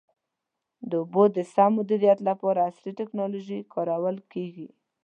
د اوبو د سم مدیریت لپاره عصري ټکنالوژي کارول کېږي.